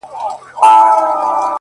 په سپين لاس کي يې دی سپين سگريټ نيولی ـ